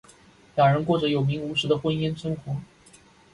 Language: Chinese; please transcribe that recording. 两人过着有名无实的婚姻生活。